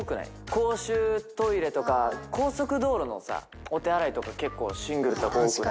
公衆トイレとか高速道路のさお手洗いとか結構シングルとか多くない？